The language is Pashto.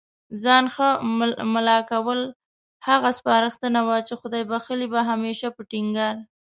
ځان ښه مُلا کول، هغه سپارښتنه وه چي خدای بخښلي به هميشه په ټينګار